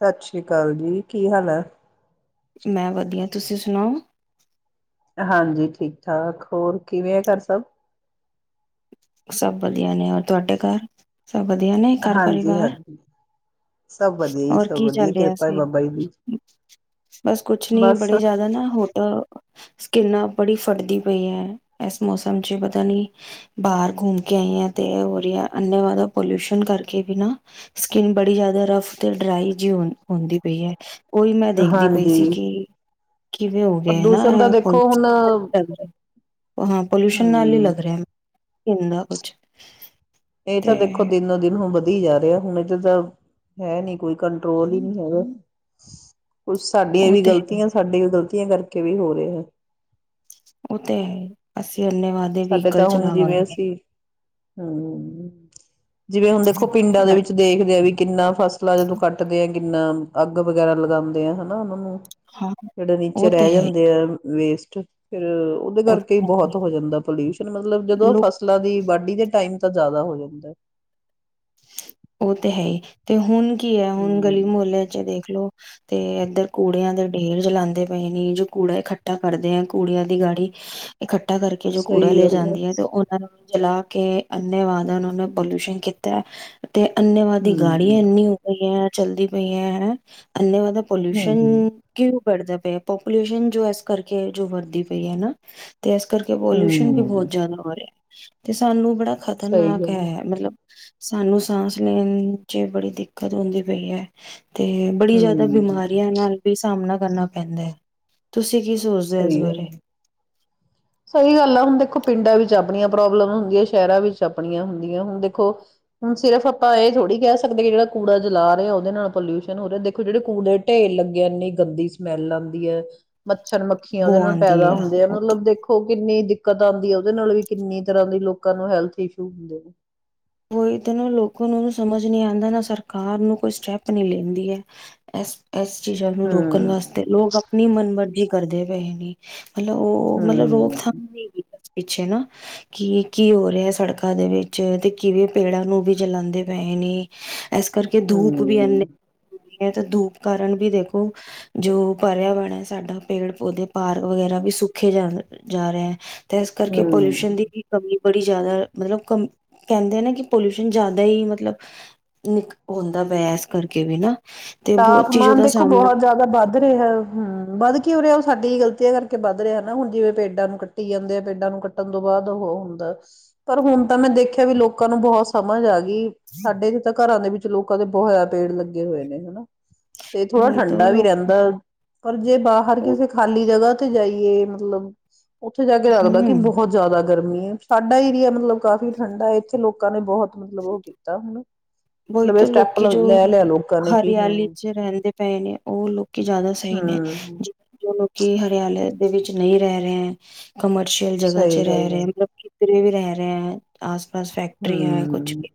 ਸਤਿ ਸ੍ਰੀ ਕਾਲ ਜੀ। ਕੀ ਹਾਲ ਐ? ਮੈਂ ਵਧੀਆ। ਤੁਸੀ ਸੁਣਾਔ? ਹਾਂਜੀ ਠੀਕ-ਠਾਕ। ਹੋਰ ਕਿਵੇਂ ਆ ਘਰ ਸਭ? ਸਭ ਵਧੀਆਂ ਨੇਂ। ਹੋਰ ਤੁਹਾਡੇ ਘਾਰ? ਸਬ ਵਧੀਆਂ ਨੇਂ ਘਰ ਹਾਂਜੀ ਪਰਿਵਾਰ? ਹਾਂਜੀ ਸਭ ਵਧੀਆ ਜੀ ਹੋਰ ਸਭ ਕੀ ਚੱਲ ਵਧੀਆ ਰਿਹਾ ਕਿਰਪਾ ਹੈ ਸੀ? ਬਾਬਾ ਜੀ ਦੀ। ਬਸ ਕੁੱਛ ਨੀ, ਬਸ ਬੜੇ ਜ਼ਿਆਦਾ ਨਾਂ ਹੋਟਲ ਸਕਿਨ ਨਾ ਬੜੀ ਫਟਦੀ ਪਈ ਐ ਏਸ ਮੌਸਮ ਚ, ਪਤਾਂ ਨੀਂ ਬਾਹਰ ਘੁੰਮ ਕੇ ਆਈ ਆਂ ਤੇ ਇਹ ਹੋ ਰਿਹਾ ਅੰਨੇਵਾਹ ਦਾ ਪੋਲਊਸ਼ਨ ਕਰਕੇ ਵੀ ਨਾਂ ਸਕਿਨ ਬੜੀ ਜ਼ਿਆਦਾ ਰਫ ਤੇ ਡਰਾਈ ਜਿਹੀ ਹੁੰ ਹੁੰਦੀ ਪਈ ਏ। ਉਈ ਮੈਂ ਦੇਖਦੀ ਪਈ ਸੀ ਹਾਂਜੀ ਕਿ ਕਿਵੇਂ ਹੋ ਗਏ ਨਾਂ ਪ੍ਰਦੂਸ਼ਣ ਤਾਂ ਇਹ ਪੋਲ ਦੇਖੋ ਹੁਣ [unintelligible] ਅ ਹਾਂ ਪੋਲਿਊਸ਼ਨ ਨਾਲ਼ ਈ ਹਮ ਲੱਗ ਰਿਹੈ। ਹੁਣ ਨਾ ਕੁੱਛ ਏ ਤਾਂ ਦੇਖੋ ਦਿਨੋਂ-ਦਿਨ ਹੁੱਬਦ ਵਧੀ ਜਾਂ ਰਿਐ। ਹੁਣ ਇਹਦੇ ਤਾਂ ਹੈਂ ਨੀਂ ਕੋਈ ਕੰਟ੍ਰੋਲ ਹੀ ਨਹੀਂ ਹੈਗਾ। ਕੁੱਛ ਸਾਡੀ ਉਹ ਵੀ ਤੇ ਹੈ ਹੀ, ਗ਼ਲਤੀਆਂ, ਸਾਡੀ ਵੀ ਗ਼ਲ ਤੀਆਂ ਕਰਕੇ ਵੀ ਹੋ ਰਿਹਾ ਇਹ। ਔ ਤੇ ਹੈ ਈ ਅਸੀਂ ਇੰਨੇ ਵਾਦੇ ਵ੍ਹੀਕਲ ਚ ਨਾਂ ਵਾੜਿਏ ਹੂੰ ਜਿਵੇਂ ਹੁਣ ਦੇਖੋ ਪਿੰਡਾਂ ਦੇ ਵਿੱਚ ਦੇਖਦੇ ਆ ਵੀ ਕਿੰਨਾਂ ਫਸ ਲਾਂ ਜਦੋਂ ਕੱਟਦੇ ਐ ਕਿੰਨਾਂ ਅੱਗ ਵਗ਼ੈਰਾ ਲਗਾਉਂਦੇ ਆ ਹੈਨਾ ਉਹਨਾਂ ਨੂੰ। ਹਾਂ ਜਿਹੜੇ ਉਹ ਨੀਚੇ ਤੇ ਰਹਿ ਹੈ ਹੀ, ਜਾਂਦੇਂ ਆ ਵੇਸਟ ਫ਼ਿਰ ਉਹਦੇ ਉਹ ਤੇ ਕਰਕੇ ਵੀ ਹੈ ਬਹੁਤ ਹੋ ਜਾਂਦਾ। ਪੋਲਯੁਸ਼ਨ ਮਤਲਬ ਜਦੋਂ ਲੋਕ ਫ਼ਸਲਾਂ ਦੀ ਏ ਵਾਢੀ ਦੇ ਟਾਈਮ ਤਾਂ ਜ਼ਿਆਦਾ ਹੋ ਜਾਂਦੈ। ਔ ਤੇ ਹੈ ਈ ਤੇ‌ ਹੁਣ ਕੀ ਐ ਹੁਣ ਗਲ਼ੀ ਹਮ ਮੁਹੱਲਿਆਂ ਚ ਵੇਖ ਲੋ ਤੇ ਇੱਧਰ ਕੂੜਿਆਂ ਦੇ ਢੇਰ ਜਲਾਂਦੇ ਪਏ ਨੇ। ਜੋ ਕੂੜਾ ਇਕੱਠਾ ਕਰਦੇ ਆਂ ਕੂੜਿਆਂ ਦੀ ਗਾੜੀ, ਇਕੱ ਠਾ ਕਰਕੇ ਜ਼ੋ ਕੂੜਾ ਸਹੀ ਲੈ‌ ਗੱਲ ਹੈ ਜਾਂਦੀਐਂ ਤੇ ਉਹਨਾਂ ਨੂੰ ਵੀ ਜਲਾ ਕੇ ਅੰਨੇ ਵਾਹ ਦਾ ਉਂਹੋਨੇ ਪੋਲਿਊਸ਼ਨ ਕੀਤੈ ਤੇ ਅੰਨੇਵਾ ਦੀ ਗਾੜੀਆ ਹਮ ਏਨੀਂ ਹੋ ਗਈ ਐ ਚੱਲਦੀ ਪਈਐਂ। ਏਨਾਂ ਜਿਆਦਾ ਹਮ ਪਲਿਊਸਨ ਕਿਉੰ ਵੜਦਾ ਪਿਆ ਪਪੂਲੇਸ਼ਨ ਜ਼ੋ ਇਸ ਕਰਕੇ ਜੋ ਵਰਦੀ ਪਈ ਐ ਨਾ- ਤੇ ਇਸ ਕਰਕੇ ਪੋਲਿਊਸ਼ਨ ਵੀ ਹਮ ਬਹੁਤ ਜ਼ਿਆਦਾ ਹੋ ਰਿਹਾ ਤੇ ਸਾਨੂੰ ਬੜਾ ਸਹੀ ਖ਼ਤਰਨਾਕ ਗੱਲ ਹੈ ਮਤਲਬ ਸਾਨੂੰ ਸਾਂਸ ਲੈਣ ਚ ਬੜੀ ਦਿੱਕਤ ਹੁੰਦੀ ਪਈ ਹੈ। ਤੇ ਬੜੀ ਜਿਆਦਾ ਹਮ ਬਿਮਾਰੀਆਂ ਨਾਲ ਵੀ ਸਾਹਮਣਾ ਕਰਨਾ ਪੈਂਦਾ ਹੈ। ਤੁਸੀਂ ਤੁਸੀਂ ਕੀ ਸੋਚਦੇ ਇਸ ਸਹੀ ਗੱਲ ਬਾਰੇ। ਸਹੀ ਗੱਲ ਆ ਹੁਣ ਦੇਖੋ ਪਿੰਡਾਂ ਵਿੱਚ ਆਪਣੀਆਂ ਪ੍ਰੋਬਲਮ ਹੁੰਦੀਆਂ, ਸ਼ਹਿਰਾਂ ਵਿੱਚ ਆਪਣੀਆਂ ਹੁੰਦੀਆਂ ਹੁਣ ਦੇਖੋ, ਹੁਣ ਸਿਰਫ ਆਪਾਂ ਇਹ ਥੋੜ੍ਹੀ ਕਹਿ ਸਕਦੇ ਕਿ, ਜਿਹੜਾ ਕੂੜਾ ਜਲਾ ਰਹਾ ਉਹਦੇ ਨਾਲ ਪੋਲਿਊਸ਼ਨ ਹੋ ਰਿਹਾ, ਦੇਖੋ ਜਿਹੜੇ ਕੂੜੇ ਦੇ ਢੇਰ ਲੱਗੇ ਇੰਨੀ ਗੰਦੀ ਸਮੈਲ ਆਉਂਦੀ ਹੈ ਮਤ ਛਰ-ਮੱਖੀਆਂ ਉਹਦੇ ਬੋ ਨਾਲ ਆਉਂਦੀ ਪੈਦਾ ਹੈ ਹੁੰਦੇ ਆ ਉ ਮਤਲਬ ਦੇਖੋ ਕਿੰਨੀ ਦਿੱਕਤ ਆਉਂਦੀ ਆ ਉਹਦੇ ਨਾਲ ਵੀ ਕਿੰਨੀ ਤਰ੍ਹਾਂ ਦੀ ਲੋਕਾਂ ਨੂੰ ਹੈਲਥ ਇਸ਼ੂ ਹੁੰਦੇ ਔ ਹੀ ਤਾ ਨ ਲੋਕਾਂ ਨੂੰ ਸਮਝ ਨਹੀਂ ਆਉਂਦਾ ਨਾ ਸਰਕਾਰ ਨੂੰ ਕੋਈ ਸਟੈਪ ਨਹੀਂ ਲੈਂਦੀ ਹੈ ਇਸ ਇਸ ਚੀਜ਼ਾਂ ਨੂੰ ਰੋਕਣ ਹਮ ਵਾਸਤੇ ਲੋਕ ਆਪਣੀ ਮਨਮਰਜ਼ੀ ਕਰਦੇ ਪਏਹੇ ਨੇ ਮਤਲਬ ਉਹ, ਮਤਲਬ ਉਹ ਹਮ ਥਾਮ ਨਹੀਂ ਪਿੱਛੇ ਨਾ ਕੀ-ਕੀ ਹੋ ਰਿਹਾ ਸੜਕਾਂ ਦੇ ਵਿੱਚ ਤੇ ਕਿਵੇਂ ਪੇੜਾਂ ਨੂੰ ਵੀ ਜਲਾਉਂਦੇ ਪਏ ਨੇ ਇਸ ਕਰਕੇ ਧੂਪ ਵੀ ਏਨੇ ਹਮ ਤੇ ਧੂਪ ਕਾਰਨ ਵੀ ਦੇਖੋ, ਜੋ ਪਰਿਆਵਰਨ ਹੈ ਸਾਡਾ ਪੇੜ-ਪੌਦੇ ਪਾਰਕ ਵਗੈਰਾ ਵੀ ਸੁਖੇ ਜਾ-ਜਾ ਰਹੇ ਹੈ ਤੇ ਇਸ ਕਰਕੇ ਪੋਲਿਊਸ਼ਨ ਹਮ ਦੀ ਵੀ ਕਮੀ ਬੜੀ ਜ਼ਿਆਦਾ ਮਤਲਬ ਕਂ ਕਹਿੰਦੇ ਆ ਨਾ ਕਿ, ਪੋਲਿਊਸ਼ਨ ਜਿਆਦਾ ਹੀ ਮਤਲਬ ਨਿਕ ਹੁੰਦਾ ਪਿਆ ਇਸ ਕਰਕੇ ਵੀ ਨਾ ਤੇ ਬਹੁਤ ਚੀਜ਼ ਤਾਪਮਾਨ ਉਹਦਾ ਦੇਖੋ ਸਾਹਮਣਾ ਬਹੁਤ ਜਿਆਦਾ ਵੱਧ ਰਿਹਾ, ਹਮ ਵੱਧ ਕਿੳ ਰਿਹਾ ਸਾਡੀ ਗ਼ਲਤੀਆਂ ਕਰਕੇ ਵੱਧ ਰਿਹਾ ਨਾ, ਹੁਣ ਜਿਵੇਂ ਪੇਡਾਂ ਨੂੰ ਕੱਟੀ ਜਾਂਦੇ ਆ, ਪੇਡਾਂ ਨੂੰ ਕੱਟਣ ਤੋਂ ਬਾਅਦ ਉਹ ਹੁੰਦਾ ਪਰ ਹੁਣ ਤਾਂ ਮੈਂ ਦੇਖਿਆ ਵੀ ਲੋਕ ਲੋਕਾਂ ਨੂੰ ਬਹੁਤ ਸਮਝ ਆ ਗਈ, ਸਾਡੇ ਜਹੇ ਤਾਂ ਘਰਾਂ ਦੇ ਵਿੱਚ ਲੋਕਾਂ ਦੇ ਬੋਹੋਤ ਜਿਆਦਾ ਪੇੜ ਲੱਗੇ ਹੋਏ ਨੇ ਹਨਾ ਤੇ ਥੋੜ੍ਹਾ ਵਹੀ ਤਾਂ ਠੰਡਾ ਵੀ ਲੋਕ ਰਹਿੰਦਾ। ਪਰ ਜੇ ਬਾਹਰ ਕਿਸੇ ਖਾਲੀ ਜਗਾਹ ਉੱਥੇ ਜਾਈਏ ਮਤਲਬ ਉੱਥੇ ਜਾ ਕੇ ਲੱਗਦਾ ਕਿ ਹਮ ਬਹੁਤ ਜ਼ਿਆਦਾ ਗਰਮੀ ਹੈ ਸਾਡਾ ਏਰੀਆ ਮਤਲਬ ਕਾਫ਼ੀ ਠੰਡਾ ਇਥੇ ਲੋਕਾਂ ਨੇ ਬਹੁਤ ਮਤਲਬ ਉਹ ਕੀਤਾ ਹਨਾ ਉਹੀ ਮਤਲਬ ਇਹ ਤਾਂ ਸਟੈਪ ਲੋਕੀ ਜੋ ਲੈ ਲਿਆ ਲੋਕਾਂ ਨੇ ਕਿ ਹਾਂ ਹਰਿਆਲੀ ਚ ਰਹਿੰਦੇ ਪਏ ਨੇ ਉਹ ਲੋਕੀ ਜ਼ਿਆਦਾ ਸਹੀ ਨੇ ਹਮ ਜੀ ਜੋ ਲੋਕੀ ਹਰਿਆਲੇ ਦੇ ਵਿੱਚ ਨਹੀਂ ਰਹਿ ਰਿਹਾ ਹੈ। ਕਮਰਸ਼ੀਅਲ ਜਗਾ ਚ ਸਹੀ ਗੱਲ ਰਹਿ ਹੈ ਰਹੇ ਮਤਲਬ, ਵੀ ਰਹਿ ਰਹੇ ਹੈ ਆਸ ਬਸ ਫੈਕਟਰੀ ਕੁਛ ਹਮ ਵੀ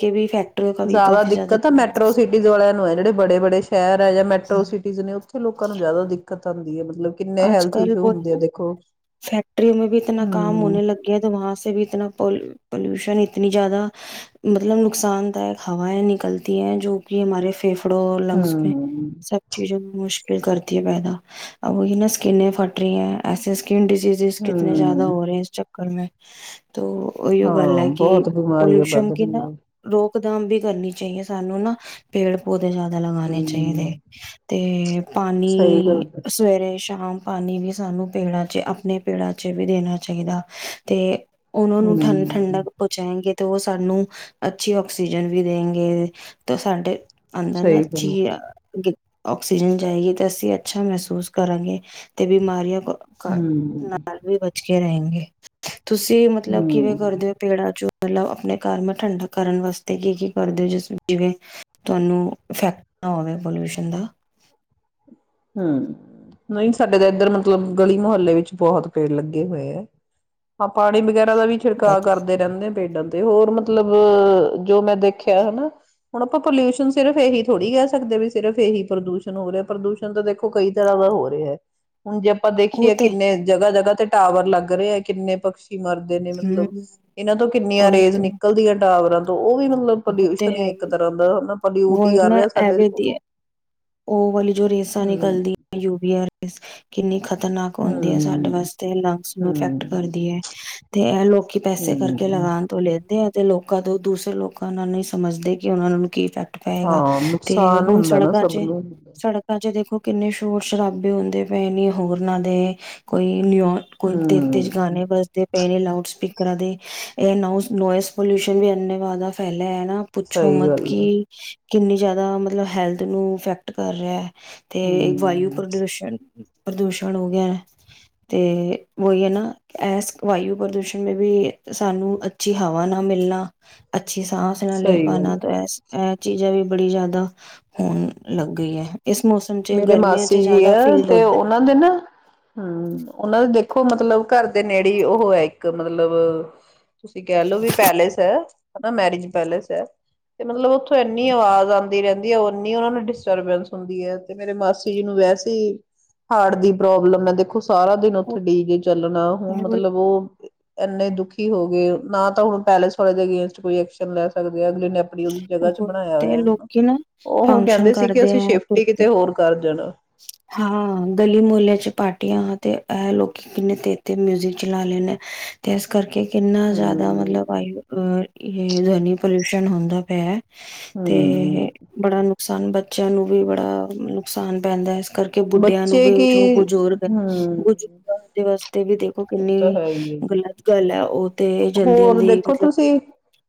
ਕੇ ਵੀ ਫੈਕਟ ਜ਼ਿਆਦਾ ਦਿੱਕਤ ਤਾਂ ਮੈਟਰੋ ਸਿਟੀਜ਼ ਵਾਲਿਆਂ ਨੂੰ ਹੈ ਜਿਹੜੇ ਬੜੇ-ਬੜੇ, ਸ਼ਹਿਰ ਹੈ, ਜਾਂ ਮੈਟਰੋ ਸਿਟੀਜ਼ ਨੇ ਉੱਥੇ ਥੇ ਲੋਕਾਂ ਨੂੰ ਜ਼ਿਆਦਾ ਦਿੱਕਤ ਆਦੀ ਹੈ। ਮਤਲਬ ਕਿੰਨੇ ਹੈਲਥ ਇਸ਼ੂ ਹੁੰਦੇ ਆ ਦੇਖੋ। ਫੈਕਟਰੀ ਮੈ ਵੀ ਇਤਨਾ ਕੰਮ ਹਮ ਹੋਣੇ ਲੱਗਿਆ ਤੇ ਵੀ ਇਤਨਾ ਪੋਲਿਊਸ਼ਨ ਇਤਨੀ ਜ਼ਿਆਦਾ ਮਤਲਬ ਨੁਕਸਾਨਦਾਇਕ ਹਵਾਏ ਨਿਕਲਤੀ ਹੈ, ਜੋ ਕਿ ਹਮਾਰੇ ਫੇਫੇ ਕੱਪੜੋ ਲੰਗਸ ਮੈਂ ਹਮ ਸਭ ਚੀਜ਼ੋ ਮ ਮੁਸ਼ਕਿਲ ਕਰਤੀ ਹੈ ਪੈਦਾ ਅ ਉਨਾ ਨ ਸਕਿਨੇ ਫਟ ਰਹੀ ਐ ਐਸੇ, ਕਿਨ ਡਿਸੀਜ਼ਜ਼ ਕਿਤੇੇ ਜ਼ਿਆਦਾ ਹਮ ਹੋ ਰਹੇ ਇਸ ਚ ਕਰਨੇ, ਤੋ ਇਹੀ ਗੱਲ ਹਾਂ ਹੈ, ਕਿ ਬਹੁਤ ਬਿਮਾਰੀਆਂ ਪੋਲੂਸ਼ਨ ਵੱਧ ਕਿ ਰਹੀ ਨਾ ਹੈ ਰੋਕ। ਮੁਦਾਮ ਵੀ ਕਰਨੀ ਚਾਹੀਏ ਸਾਨੂੰ ਨਾ ਪੇੜ ਪੌ ਜ਼ਿਆਦਾ ਲਗਾਣੇ ਚਾਹੀਦੇ ਹਮ ਤੇ ਸਹੀ ਗੱਲ ਪਾਣੀ ਹੈ। ਸਵੇਰੇ ਆਮ ਪਾਣੀ ਵੀ ਸਾਨੂੰ ਪੀਣਾ, ਜ ਆਪਣੇ ਪੇੜਾ ਚ ਵੀ ਦੇਣਾ ਚਾਹੀਦਾ ਤੇ। ਉਹਨਾਂ ਨੂੰ ਠੰ ਹਮ ਠੰਡਕ ਪਹੁੰਚਾਏਗੇ ਤੇ ਉਹ ਸਾਨੂੰ ਅੱਛੀ ਆਕਸੀਜਨ ਵੀ ਦੇਣਗੇ, ਤੇ ਸਾਡੇ ਆਦਾ ਨਾ, ਅ ਸਹੀ ਗੱਲ ਹੈ। ਚੀ ਆਕਸੀਜਨ ਜਾਏਗੀ, ਤੇ ਅਸੀਂ ਅੱਛਾ ਮਹਿਸੂਸ ਕਰਾਂਗੇ ਤੇ ਬਿਮਾਰੀਆਂ ਕਰ ਹੂੰ, ਰਹੇਗੇ। ਤੁਸੀਂ ਮਤਲਬ ਕਿਵੇਂ ਹਮ ਕਰਦੇ ਹੋ ਪੇੜਾਂ ਚੋ ਮਤਲਬ ਆਪਣੇ ਘਰ ਠੰਢਾ ਕਰਨ ਵਾਸਤੇ ਕੀ ਕੀ ਕਰਦੇ ਹੋ, ਜਿਸ ਜਿਵੇਂ ਤੁਹਾਨੂੰ ਇਫੈਕਟ ਨਾ ਹੋਵੇ ਪੋਲਿਊਸ਼ਨ ਦਾ ਹੂੰ, ਨਹੀਂ ਸਾਡੇ ਤਾਂ ਇੱਧਰ ਮਤਲਬ ਗਲੀ ਮੁਹੱਲੇ ਵਿੱਚ ਬਹੁਤ ਪੇੜ ਲੱਗੇ ਹੋਏ ਹੈ। ਹਾਂ ਪਾਣੀ ਵਗੈਰਾ ਦਾ ਵੀ ਛਿੜਕਾਅ ਵਧੀਆ ਕਰਦੇ ਰਹਿੰਦੇ ਆ ਪੇਡਾਂ ਤੋਂ ਤੇ ਹੋਰ ਮਤਲਬ ਜੋ ਮੈਂ ਦੇਖਿਆ ਹੈਨਾ, ਹੁਣ ਆਪਾਂ ਪੋਲਿਊਸ਼ਨ ਸਿਰਫ ਇਹੀ ਥੋੜੀ ਕਹਿ ਸਕਦੇ ਵੀ ਸਿਰਫ ਇਹੀ ਪ੍ਰਦੂਸ਼ਣ ਹੋ ਰਿਹਾ ਪ੍ਰਦੂਸ਼ ਤਾਂ ਦੇਖੋ ਕਈ ਤਰ੍ਹਾਂ ਦਾ ਹੋ ਰਿਹਾ ਹੈ ਹੁਣ ਜੇ ਆਪਾਂ ਉਹ ਦੇਖੀਏ ਤੇ ਕਿੰਨੇ ਜਗ੍ਹਾ ਜਗ੍ਹਾ ਤੇ ਟਾਵਰ ਲੱਗ ਰਹੇ ਹੈ, ਕਿੰਨੇ ਪੱਕਸ਼ੀ ਮਰਦੇ ਨੇ ਮਤਲਬ, ਹਮ ਇਹਨਾਂ ਤੋਂ ਕਿੰਨੀਆਂ ਉਹੀ ਰੇਜ਼ ਤਾਂ ਨਿਕਲਦੀਆਂ ਟਾਵਰਾਂ ਤੋਂ ਉਹ ਵੀ ਮਤਲਬ ਉਹ ਤੇ ਪੋਲਿਊਸ਼ਨ ਹੈ ਹੀ ਇੱਕ ਤਰ੍ਹਾਂ ਦਾ ਹੈਨਾ ਆਪਾਂ ਡਿਊਟੀ ਕਰ ਰਹੇ ਸਾਡੇ ਉਹਨੂੰ ਔ ਵਾਲੀ ਰੇਜ਼ ਰੇਜ਼ ਹਮ ਨਿਕਲਦੀਆਂ ਯੂ ਵੀ ਆਰ ਐਸ, ਕਿੰਨੀ ਖ਼ਤਰਨਾਕ ਹੁੰਦੀ ਹੈ ਸਾਡੇ ਹਮ ਵਾਸਤੇ ਲੰਗਸ ਨੂੰ ਇਫੈਕਟ ਕਰਦੀ ਹਮ ਹੈ ਤੇ ਐ ਲੋ ਕੇ ਪੈਸੇ ਕਰਕੇ ਹਮ ਲਗਾਉਣ ਤੋਂ ਲੇਤੇ ਹੈਂ। ਤੇ ਲੋਕਾਂ ਤੋਂ, ਦੂਸਰੇ ਲੋਕਾਂ ਨਾਂ ਨਹੀ ਸਮਝਦੇ, ਕਿ ਉਹਨਾ ਨੂੰ ਕੀ ਇਫ਼ੇਕਟ ਐ ਹਾਂ ਨੁਕਸਾਨ ਹੁੰਦਾ ਨਾ ਸਭ ਚ ਨੂੰ ਸੜਕਾਂ ਚ ਦੇਖੋ ਕਿੰਨੇ ਸ਼ੋਰ ਸ਼ਰਾਬੇ ਹੁੰਦੇ ਪਏ ਨੇ ਹੋਰਨਾਂ ਦੇ ਕੋਈ ਲੌਂਜ ਕੋਲ ਤੇਜ ਤੇਜ ਹੂੰ, ਗਾਣੇ ਵਜਦੇ ਪਹਿ ਨੇ, ਲਾਊਡ ਸਪੀਕਰ ਇਸ ਤਰਹ ਇਹ ਨੋਇਜ਼ ਪੋਲਿਊਸ਼ਨ ਵੀ ਇੰਨੇ ਵਦਾ ਫੈਲਿਆ ਹੈਨਾ ਪੁੱਛੋ ਸਹੀ ਮਤ ਗੱਲ ਆ, ਕੀ ਕਿੰਨੀ ਜ਼ਿਆਦਾ ਮਤਲਬ ਹੈਲਥ ਨੂੰ ਇੈਕਟ ਕਰ ਰਿਹਾ ਤੇ ਵਾਯੂ ਹੂੰ, ਪੋਲੂਸ਼ਨ ਪ੍ਰਦੂਸ਼ਣ ਹੋ ਗਿਆ ਤੇ ਉਹੀ ਹੈ ਨਾ ਇਸ ਵਾਯੂ ਪ੍ਰਦੂਸ਼ਣ ਵੀ ਵੀ ਸਾਨੂੰ ਅੱਛੀ ਹਵਾ ਨਾ ਮਿਲਣਾ ਅੱਛੀ ਸਾਂਸ ਨਾਲ ਲੈ ਸਹੀ ਗੱਲ ਪਾਣਾ, ਆ। ਤੋ ਐਸੇ ਚੀਜ਼ਾਂ ਵੀ ਬੜੀ ਜ਼ਿਆਦਾ ਹੁਣ ਲੱਗੀ ਹੈ ਮੇਰੇ ਚ ਮਾਸੀ ਜੀ ਜ਼ਿਆਦਾ ਐ, ਫੀਲ ਤੇ ਹੁੰਦਾ ਹੈ। ਉਹਨਾਂ ਦੇ ਨਾ ਹੂ ਉਹਨਾਂ ਦੇ ਦੇਖੋ ਮਤਲਬ ਘਰ ਦੇ ਨੇੜੇ ਉਹ ਹੈ ਇੱਕ ਮਤਲਬ ਤੁਸੀਂ ਕਹਿ ਲੋੋ, ਵੀ ਪੈਲੇਸ ਹੈ ਹੈਨਾ ਮੈਰਿਜ ਪੈਲੇਸ ਹੈ ਤੇ ਮਤਲਬ ਉੱਥੋਂ ਇਨੀ ਆਵਾਜ਼ ਆਉਂਦੀ ਰਹਿੰਦੀ ਹੈ ਨੀ ਉਹਨਾ ਨੂੰ ਡਿਸਟਰਬੈਂਸ ਹੁੰਦੀ ਹੈ ਤੇ ਮੇਰੇ ਮਾਸੀ ਜੀ ਨੂੰ ਵੈਸੇ ਹਾਰਟ ਦੀ ਪ੍ਰੋਬਲਮ ਐ, ਦੇਖੋ ਸਾਰਾ ਦਿਨ ਉਹ- ਉੱਥੇ ਡੀ ਜੇ ਚੱਲਣਾ, ਹੁਣ ਉਹੀ- ਮਤਲਬ ਉਹ ਇੰਨੇ ਦੁਖੀ ਹੋ ਗਏ ਨਾ ਤਾਂ ਹੁਣ ਪੈਲੇਸ ਵਾਲੇ ਦੇ ਅਗੇਸਟ ਕੋਈ ਐਕਸ਼ਨ ਲੈ ਸਕਦੇ ਆ ਨੇ ਆਪਣੀ ਉਹੀ ਜਗ੍ਹਾ ਚ ਬਣਾਇਆ ਤੇ ਹੋਇਆ। ਲੋਕੀ ਨਾ ਉਹ ਹੁਣ ਫੰਕਸ਼ਨ ਕਹਿੰਦੇ ਸੀ ਕਿ ਕਰਦੇ ਅਸੀਂ ਸ਼ਿਫਟ ਹੈ ਈ- [inaudible] ਹਾਂ ਗਲੀ ਮੁਹੱਲੇ ਚ ਪਾਟੀਆਂ ਤੇ ਇਹ ਲੋਕੀ ਕਿੰਨੇ ਤੇਰ ਤੇਰ ਮਿਊਜਿਕ ਚਲਾ ਲਏ ਨੇ, ਤੇ ਇਸ ਕਰਕੇ ਕਿੰਨਾ ਜ਼ਿਆਦਾ ਮਤਲਬ ਹੂੰ, ਵਾਯੂ ਅਰ- ਇਹ ਯਾਨੀ ਪੋਲਿਊਸ਼ਨ ਹੁੰਦਾ ਪਿਆ। ਤੇ ਹੂੰ। ਬੜਾ ਨੁਕਸਾਨ ਬੱਚਿਆਂ ਨੂੰ ਵੀ ਬੜਾ ਨੁਕਸਾਨ- ਪੈਂਦਾ ਏ ਕਰਕੇ ਬੁੱਢਿਆਂ ਨੂੰ ਬੱਚੇ ਵੀ ਜੋ ਕੀ ਬਜ਼ੁਰਗ ਐ, ਹੂੰ, ਬੁਜਰਗਾ ਦਿਸ ਤੇ ਵੀ ਦੇਖੋ ਉਹ ਤਾਂ ਹੈ ਹੀ ਹੈ। ਕਿੰਨੀ-ਗਲਤ ਗੱਲ ਹੈ। ਉਹ ਤੇ ਹੋਰ ਜਲਦੀ-ਜਲਦੀ ਦੇਖੋ ਮਤਲਬ ਤੁਸੀਂ।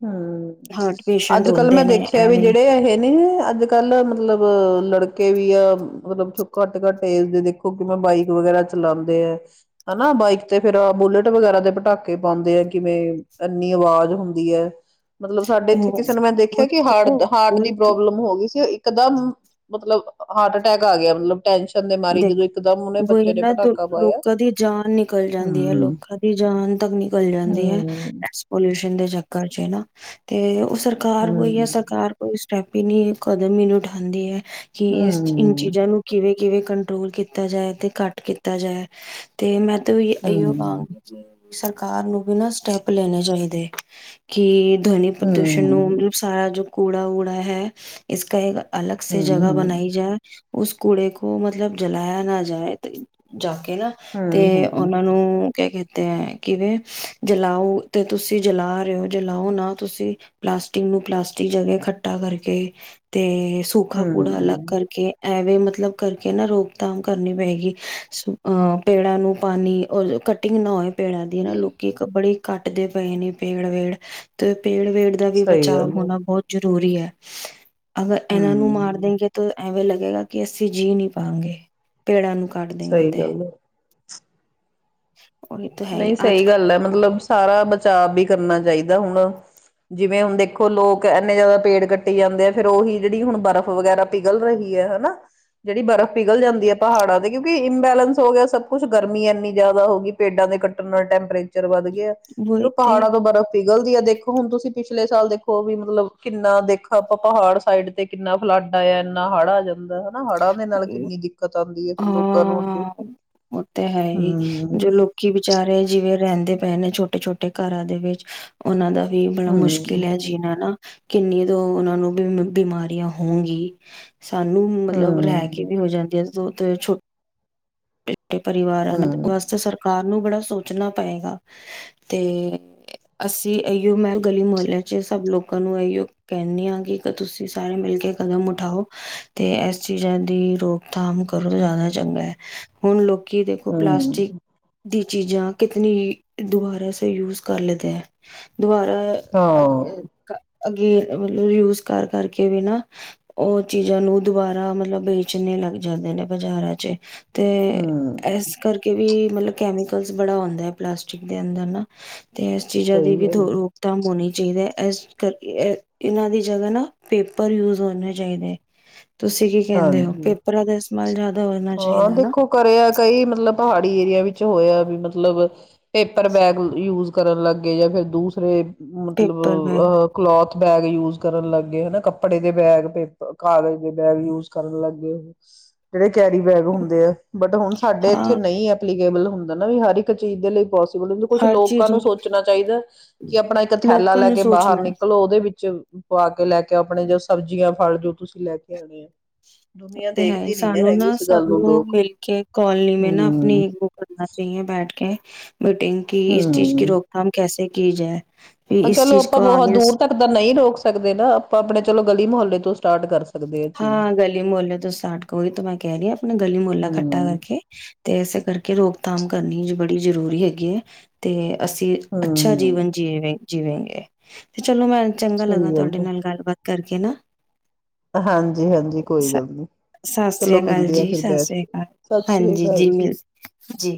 ਹੂੰ, ਹਾਰਟ ਪੇਸ਼ੈਂਟ ਅੱਜ ਕੱਲ ਮੈਂ ਹੁੰਦੇ ਨੇ ਦੇਖਿਆ ਵੀ ਐਵੇਂ ਜਿਹੜੇ ਇਹ ਨੇ ਅੱਜ ਕੱਲ ਮਤਲਬ ਲੜਕੇ ਵੀ ਕਿਆ ਮਤਲਬ ਘੱਟ ਘੱਟ ਏਜ ਦੇ ਦੇਖੋ ਕਿਵੇਂ ਬਾਈਕ ਵਗੈਰਾ ਚਲਾਂਦੇ ਏ। ਹਨਾ, ਬਾਈਕ ਤੇ ਫਿਰ ਬੁਲੇਟ ਵਗੈਰਾ ਤੇ ਪਟਾਕੇ ਪਾਦੇ ਏ। ਕਿਵੇਂ ਇੰਨੀ ਆਵਾਜ਼ ਹੁੰਦੀ ਹੈ। ਮਤਲਬ ਸਾਡੇ ਇੱਥੇ ਉਹ ਕਿਸੇ ਨੂੰ ਮੈਂ ਦੇਖਿਆ ਉਹੀ ਕਿ ਤੇ ਹਾਰਡ ਹਾਰਟ ਦੀ ਉਹੀ ਤੇ ਪ੍ਰੋਬਲਮ ਹੋ ਗਈ ਸੀ। ਇੱਕਦਮ ਮਤਲਬ ਅ ਹਾਰਟ -ਅਟੈਕ ਆ ਗਿਆ। ਮਤਲਬ ਟੈਨਸ਼ਨ ਮਾਰੀ ਦੇ ਜਦੋਂ ਇਕਦਮ ਉਹਨੇ ਬੱਚੇ ਵਈ ਨੇ ਨਾ ਦ ਪਟਾਕਾ ਪਾਇਆ ਲੋਕਾਂ ਦੀ ਜਾਨ ਨਿਕਲ ਜਾਂਦੀ ਹੈ। ਹਮ ਲੋਕਾਂ ਦੀ ਜਾਨ ਤੱਕ ਨਿਕਲ ਜਾਂਦੀ। ਜਾਂਦੀ ਹੈ ਹਮ ਏਸ ਪੋਲਿਊਸ਼ਨ ਦੇ ਚਕਰ ਚ ਕਰ ਜੇ ਨਾ ਤੇ ਉਸ ਸਰਕਾਰ ਵੋਈ ਹੈ। ਹਮ ਸਰਕਾਰ ਕੁਛ ਹੈਪੀ ਨੀ ਕਦਮ ਈ ਨੀ ਉਠਾਂਦੀ ਏ। ਕਿ ਇਸ ਇਨ ਚੀਜ਼ਾਂ ਨੂੰ ਕਿਵੇਂ ਕਿਵੇਂ ਕੰਟਰੋਲ ਕੀਤਾ ਜਾਏ, ਤੇ ਘੱਟ ਕੀਤਾ ਜਾਏ। ਤੇ ਮੈਂ [unintelligible] ਸਰਕਾਰ ਨੂੰ ਵੀ ਨਾ ਸਟੈਪ ਲੈਣੇ ਚਾਹੀਦੇ। ਕਿ- ਧਵਨੀ ਪ੍ਰਦੂਸ਼ਣ ਨੂੰ ਮਤਲਬ ਹੂੰ-ਹੂੰ-ਹੂੰ-ਹੂੰ-ਹੂੰ-ਹੂੰ-ਹੂੰ-ਹੂੰ, ਸਾਰਾ ਜੋ ਕੂੜਾ ਉੜਾ ਹੈ ਇਸ ਕਹੇਗਾ। ਅਲੱਗ ਸੇ ਜਗਾ ਬਣਾਈ ਜਾਏ। ਉਸ ਕੁੂੜੇ ਕੋ- ਕੋ ਮਤਲਬ ਜਲਾਇਆ ਨਾ ਜਾਏ। ਤ ਜਾ ਕੇ ਏ ਨਾ ਤੇ ਉਹਨਾਂ ਨੂੰ ਕੈ ਕਤੇ ਹੈ ਕਿਵੇਂ ਜਲਾਓ ਤੇ ਤੁਸੀਂ ਜਲਾ ਰਹੇ ਹੋ। ਜਲਾਓ ਨਾ ਤੁਸੀਂ ਪਲਾਸਟਿਕ ਨੂੰ ਪਲਾਸਟਿਕ ਜਗਾ ਖਟਾ ਕਰਕੇ ਤੇ ਸੂਖਾ ਕੂੜਾ ਅਲੱਗ ਕਰਕੇ ਐਵੇਂ ਮਤਲਬ ਕਰਕੇ ਨਾ ਰੋਕਥਾਮ ਕਰਨੀ ਪਏਗੀ ਸੋ ਅਹ ਪੇੜਾਂ ਨੂੰ ਪਾਣੀ ਔਰ ਕਟਿੰਗ ਨਾ ਹੋਏ। ਪੇੜਾ ਦੀ ਨਾ ਲੋਕੀ ਇੱਕ ਬੜੀ ਕੱਟਦੇ ਪਏ ਨੇ, ਪੇੜ ਵੇੜ ਤੇ ਪੇੜ ਵੇੜ ਦਾ ਵੀ ਸਹੀ ਬਚਾਵ ਗੱਲ ਐ, ਹੋਣਾ ਬੌਤ ਜਰੁਰੀ ਜਰੂਰੀ ਐ। ਅਗਰ ਐਨਾਂ ਨੂੰ ਮਾਰ ਹੂੰ, ਦੇਗੇ ਤਾਂ ਐਵੇਂ ਲੱਗ ਲਗੇਗਾ ਕਿ ਅਸੀਂ ਅਸੀਂ ਜੀਅ ਨੀ ਪਾਂਗੇ ਪੇੜਾਂ ਨੂੰ ਕੱਟ ਦੇਂਗੇ ਸਹੀ ਤੇ ਗੱਲ ਐ। [inaudible] [inaudible] ਹੈ ਹੀ ਨਹੀਂ ਅੱਜ ਸਹੀ ਗੱਲ ਐ, ਮਤਲਬ ਸਾਰਾ ਬਚਾਵ ਵੀ ਕਰਨਾ ਚਾਹੀ ਦਾ, ਹੁਣ ਜਿਵੇਂ ਹੁਣ ਦੇਖੋ ਲੋਕ ਐਨੇ ਜੈਦਾ ਪੇੜ ਕੱਟੀ ਜਾਂਦੇ ਐ, ਫੇਰ ਔਹੀ ਜਿੜੀ ਹੁਣ ਬਰਫ਼ ਵਗੈਰਾ ਪਿਘਲ ਰਹੀ ਹੈ ਹੈਨਾ, ਜੇੜੀ ਬਰਫ਼ ਪਿਘਲ ਜਾਂਦੀ ਹੈ ਪਹਾੜਾਂ ਤੇ ਕਿਉਂਕਿ, ਇੰਬੈਲੈਂਸ ਹੋ ਗਿਆ ਸਭ ਕੁੱਛ ਗਰਮੀ ਐਨੀ ਜੈਦਾ ਹੋ ਗੀ। ਪੇਡਾਂ ਦੇ ਕੱਟਣ ਨਾਲ ਟੈਂਪਰੇਚਰ ਵੱਧ ਗ ਗੇ ਐ ਫੇਰ ਔ ਵਹੀ ਤੇ ਪਹਾੜਾਂ ਤੋਂ ਬਰਫ਼ ਪਿ ਗਲਦੀ ਐ ਦੇਖੋ ਹੁਣ ਤੁਸੀਂ ਪਿਛਲੇ ਸਾਲ ਦੇਖੋ ਵੀ ਮਤਲਬ ਕਿੰਨਾ ਦੇਖ ਆਪਾਂ ਪਹਾੜ ਸਾਈਡ ਤੇ ਕਿੰਨਾ ਫਲੱਡ ਆਯੈ ਇੰਨਾ ਹੜ ਆ ਜਾਂਦੈ। ਐਨਾ ਹੜ੍ਹਾਂ ਦੇ ਨਾਲ ਕਿੰਨੀ ਦਿੱਕਤ ਆਂਦੀ ਏ ਫੇਰ ਲੋਕਾਂ ਨੂੰ ਅੱਗੇ। ਹਾਂ ਹਮ। ਕੀ ਵਿਚਾਰੇ ਜਿਵੇਂ ਰੈੰਦੇ ਪਏ ਨੇ ਛੋਟੇ ਛੋਟੇ ਘਰਾਂ ਦੇ ਵਿੱਚ ਔਨਾਂ ਦਾ ਵੀ ਬੜਾ ਮੁਸ਼ਕਿਲ ਹਮ ਹੈ ਜੀਣਾ ਨਾ। ਕਿੰਨੀ ਤੋਂ ਔਨਾਂ ਨੂੰ ਬਿਮ ਬਿਮਾਰੀਆਂ ਹੋਊਗੀ। ਸਾਨੂੰ ਮਤਲਬ ਰਹ ਹਮ ਕੇ ਵੀ ਹੋ ਜਾਂਦੀਐਂ। ਜੋ ਤੇ ਛੋਟ ਕੇ ਪਰਿਵਾਰਾਂ ਨਾਲੇ ਹੂੰ, ਵਾਸਤੇ ਸਰਕਾਰ ਨੂੰ ਬੜਾ ਸੋਚਣਾ ਪਏਗਾ। ਤੇ, ਅਸੀਂ ਅਇਓ ਮੈਂ ਗਲੀ ਮੁਹੱਲਿਆਂ ਚ ਸਭ ਲੋਕਾਂ ਨੂੰ ਐਇਓ ਕੈਹਣੀ ਆਂ ਕਿ ਗਰ ਤੁਸੀਂ ਸਾਰੇ ਮਿਲ ਕੇ ਕਦਮ ਉਠਾਓ ਤੇ ਐਸ ਚੀਜ਼ਾਂ ਦੀ ਰੋਕਥਾਮ ਕਰੋ ਜ਼ਾਦਾ ਚੰਗੈ। ਹੁਣ ਲੋਕ ਕੀ ਦੇਖੋ ਪਲਾਸਟਿਕ ਹੂੰ, ਦੀ ਚੀਜ਼ਾਂ ਕਿਤਨੀ ਦੁਬਾਰਾ ਸ ਯੂਜ ਕਰ ਲਦਾ ਹੈ ਦੁਆਰਾਾ ਹਾਂ, ਅ ਅੱਗੇ ਮਤਲਬ ਯੂਜ ਕਰ ਕਰਕੇ ਵੀ ਨਾ ਉਹ ਚੀਜ਼ਾਂ ਨੂੰ ਦੁਬਾਰਾ ਮਤਲਬ ਵੇਚਣੇ ਲੱਗ ਜਾਂਦੇ ਨੇ ਬਾਜ਼ਾਰਾਂ ਚ ਅਤੇ ਇਸ ਹੂੰ, ਕਰਕੇ ਵੀ ਮਤਲਬ ਕੈਮੀਕਲਸ ਬੜਾ ਆਉਂਦਾ ਹੈ ਪਲਾਸਟਿਕ ਦੇ ਅੰਦਰ ਨਾ ਤੇ ਇਸ ਚੀਜ਼ਾਂ ਸਹੀ ਦੀ ਵੀ ਗੱਲ ਹੈ, ਰੋਕਥਾਮ ਹੋਣੀ ਚਾਹੀਦੀ ਹੈ ਇਸ ਕਰ ਇਹਨਾਂ ਦੀ ਜਗਾ ਨਾ ਪੇਪਰ ਯੂਜ ਹੋਣੇ ਚਾਹੀਦੇ ਹੈ ਤੁਸੀਂ ਕੀ ਕਹਿੰਦੇ ਹੋ ਹਾਂਜੀ। ਪੇਪਰਾਂ ਦਾ ਇਸਤੇਮਾਲ ਜ਼ਿਆਦਾ ਹੋਨਾ ਚਾਹੀਦਾ ਹਾਂ ਨਾ ਦੇਖੋ ਕਰਿਆ ਕਈ ਮਤਲਬ ਪਹਾੜੀ ਏਰੀਆ ਵਿੱਚ ਹੋਇਆ ਵੀ ਮਤਲਬ ਪੇਪਰ ਬੈਗ ਯੂਜ ਕਰਨ ਲੱਗੇ ਜਾਂ ਫਿਰ ਦੂਸਰੇ ਮਤਲਬ ਪੇਪਰ ਬੈਗ ਅ ਕਲੋਥ ਬੈਗ ਯੂਜ ਕਰਨ ਲੱਗੇ ਹਨਾ ਕੱਪੜੇ ਦੇ ਬੈਗ ਪੇਪਰ ਕਾਗਜ਼ ਦੇ ਬੈਗ ਯੂਜ ਕੁ ਕਰਨ ਲੱਗ ਗਏ ਹੋ ਜਿਹੜੇ ਕੈਰੀ ਬੈਗ ਹੁੰਦੇ ਆ ਬਟ ਹੁਣ ਸਾਡੇ ਇੱਥੇ ਹਾਂ ਨਹੀਂ ਐਪਲੀਕੇਬਲ ਹੁੰਦਾ ਨਾ ਵੀ ਹਰ ਇੱਕ ਚੀਜ਼ ਦੇ ਲਈ ਬਹੁ ਕੁਛ ਹਰ ਲੋਕਾਂ ਚੀਜ਼ ਨੂੰ ਸੋਚਣਾ ਚਾਹੀਦਾ ਕਿ ਆਪਣਾ ਇੱਕ ਥੈਲਾ ਲੋਕਾਂ ਲੈ ਨੂੰ ਕੇ ਬਾਹਰ ਸੋਚਣਾ ਨਿਕਲੋ ਉਹਦੇ ਵਿੱਚ ਅੱਛਾ ਲੈ ਕੇ ਆਪਣੇ ਜੋ ਸਬਜ਼ੀਆਂ ਫਲ ਜੋ ਤੁਸੀਂ ਲੈ ਕੇ ਆਉਣੇ ਆ ਦੁਨੀਆਂ ਤੇ ਹੈ ਹੀ ਦੇਖਦੀ ਨੀ ਸਾਨੂੰ ਹੈਗੀ ਨਾ ਇਸ ਸਭ ਗੱਲ ਨੂੰ ਲੋਕ ਮਿਲ ਕੇ ਕੋਲੋਨੀ ਮ ਨਾ ਹੂੰ ਆਪਣੀ ਬੋ ਕਰਨਾ ਚਾਹੀਏ ਬੈਠ ਕੇ ਮਟਿੰਗ ਕੀ ਇਸ ਚੀਜ਼ ਕੀ ਹੂੰ ਰੋਕਥਾਮ ਕੈਸੇ ਕੀ ਜਾਏ ਚਲੋ ਆਪਾਂ ਬਹੁਤ ਦੂਰ ਤੱਕ ਤਾਂ ਨਹੀਂ ਰੋਕ ਸਕਦੇ ਨਾ ਆਪਾਂ ਆਪਣੇ ਚਲੋ ਗਲੀ ਮੁਹੱਲੇ ਤੋਂ ਸਟਾਰਟ ਕਰ ਸਕ ਹਾਂ ਗਲੀ ਮੁਹੱਲ ਤੋਂ ਸੱਟ ਕੋੋਈ ਤਾਂ ਮੈਂ ਕਹਿ ਰਹੀ ਹਾਂ ਆਪਣਾ ਗਲੀ ਮੁਹਲਾ ਖੱਠਾ ਹੂੰ ਕਰਕੇ ਤੇ ਇਸੇ ਕਰਕੇ ਰੋਕਥਾਮ ਕਰਨੀ ਜ ਬੜੀ ਬੜੀ ਜ਼ਰੂਰੀ ਹੈਗੀ ਹੈ ਤੇ ਅਸੀਂ ਅੱਛਾ ਹੂੰ ਜੀਵਨ ਜੀ ਜੀਵੇਂ ਗਗੇ ਚਲੋ ਮੈਂ ਚੰਗਾ ਲੱਗਾ ਸਹੀ ਗੱਲ ਤੁਹਾਡੇ ਹੈ। ਨਾਲ ਗੱਲਬਾਤ ਕਰਕੇ ਨਾ ਹਾਂਜੀ ਹਾਂਜੀ ਕੋਈ ਸ ਗੱਲ ਨੀ ਸਤਿ ਸ੍ਰੀ ਚਲੋ ਅਕਾਲ ਮਿਲਦੇ ਆ ਜੀ ਫਿਰ ਸਤਿ ਬੈਠ ਸ੍ਰੀ ਕੇ ਅਕਾਲ ਸਤਿ ਸ੍ਰੀ ਹਾਂਜੀ ਅਕਾਲ ਮਿਲ ਜੀ ਜੀ